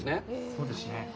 そうですね。